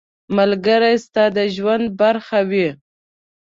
ملګری ستا د ژوند برخه وي.